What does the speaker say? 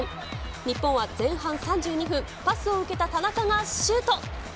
日本は前半３２分、パスを受けた田中がシュート。